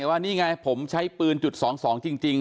ว่านี่ไงผมใช้ปืนจุด๒๒จริง